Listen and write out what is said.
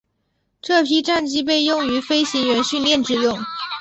这批战机被用于飞行员训练之用。